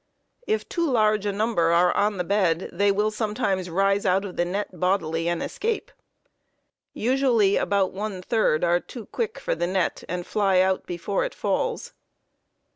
If too large a number are on the bed, they will sometimes raise the net bodily and escape. Usually about one third are too quick for the net and fly out before it falls.